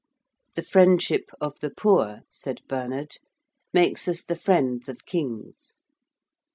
'The friendship of the poor,' said Bernard, 'makes us the friends of Kings.'